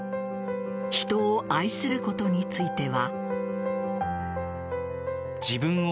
人を愛することについては。